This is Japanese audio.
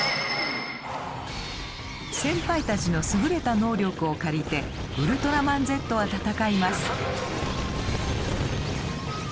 先輩たちの優れた能力を借りてウルトラマンゼットは戦います。